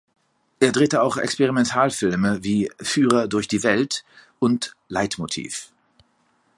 Er drehte auch Experimentalfilme wie "Führer durch die Welt" und "Leitmotiv".